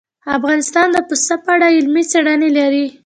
افغانستان د پسه په اړه علمي څېړنې لري.